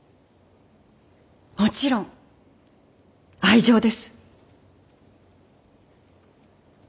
もちろん愛情です。